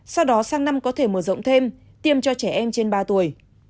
sau đó sang năm có thể mở rộng thêm tiêm cho trẻ em trên ba tuổi